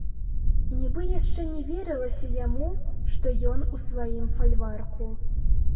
Нібы яшчэ не верылася яму, што ён у сваім фальварку.